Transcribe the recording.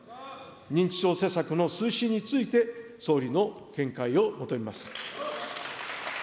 認知症施策の推進について、総理の見解を求めます。